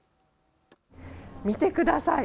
見てください。